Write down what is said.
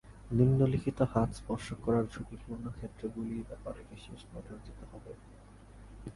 নিম্নলিখিত হাত স্পর্শ করার ঝুঁকিপূর্ণ ক্ষেত্রগুলির ব্যাপারে বিশেষ নজর দিতে হবে।